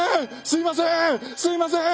すいません！